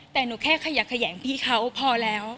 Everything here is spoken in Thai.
แต่หนูแค่ขยักแขยงพี่เขาพอแล้ว